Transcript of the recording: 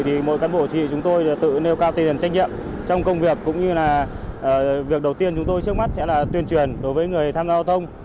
thì mỗi cán bộ chị chúng tôi tự nêu cao tiền trách nhiệm trong công việc cũng như là việc đầu tiên chúng tôi trước mắt sẽ là tuyên truyền đối với người tham gia giao thông